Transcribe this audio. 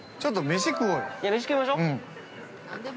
◆飯食いましょ。